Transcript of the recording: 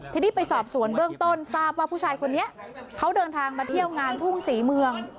ทีนี้ไปสอบสวนเบื้องต้นทราบว่าผู้ชายคนนี้เขาเดินทางมาเที่ยวงานทุ่งศรีเมือง